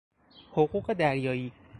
حقوق دریایی